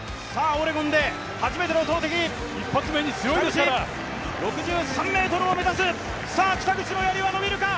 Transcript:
オレゴンで初めての投てき１発目に強いですから北口６３ｍを目指すさあ北口のやりはのびるか？